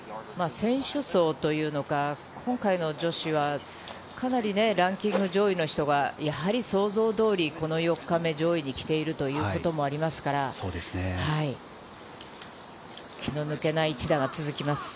選手層というのか、今回の女子はかなりランキング上位の人がやはり想像通り、この４日目、上位にきているということもありますから、気の抜けない一打が続きます。